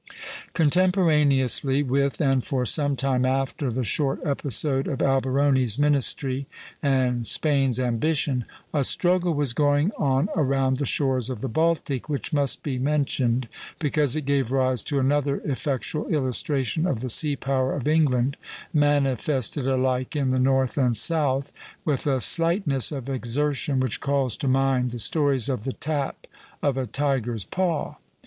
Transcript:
Contemporaneously with and for some time after the short episode of Alberoni's ministry and Spain's ambition, a struggle was going on around the shores of the Baltic which must be mentioned, because it gave rise to another effectual illustration of the sea power of England, manifested alike in the north and south with a slightness of exertion which calls to mind the stories of the tap of a tiger's paw.